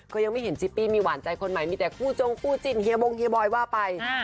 ก็ยังไม่เห็นจิปปี้มีหวานใจคนใหม่มีแต่คู่จงคู่จิ้นเฮียบงเฮียบอยว่าไป